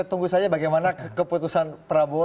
tunggu saja bagaimana keputusan prabowo